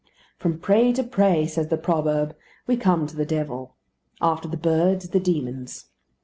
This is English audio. From prey to prey, says the proverb, we come to the devil. After the birds, the demons.